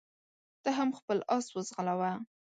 ته هم خپل اس وځغلوه.